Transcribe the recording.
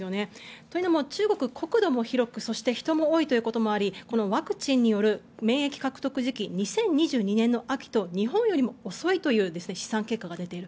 というのも中国、国土も広くそして人も多いということもありワクチンによる免疫獲得時期２０２２年の秋と日本よりも遅いという試算結果が出ている。